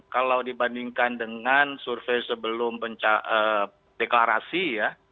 kalau dibandingkan dengan survei sebelum deklarasi ya